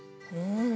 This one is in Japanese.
うん。